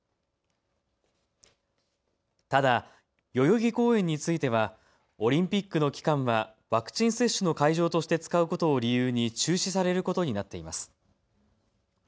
ただ、代々木公園についてはオリンピックの期間はワクチン接種の会場として使うことを理由に中止されることになっています。